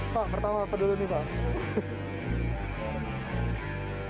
pak pertama apa dulu nih pak